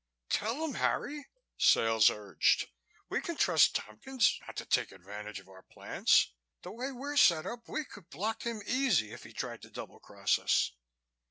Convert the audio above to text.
"Tell him, Harry," Sales urged. "We can trust Tompkins not to take advantage of our plans. The way we're set up we could block him easy if he tried to double cross us."